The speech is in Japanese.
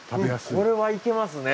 これはいけますね。